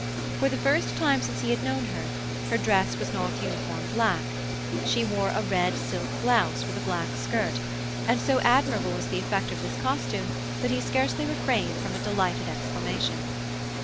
For the first time since he had known her, her dress was not uniform black; she wore a red silk blouse with a black skirt, and so admirable was the effect of this costume that he scarcely refrained from a delighted exclamation.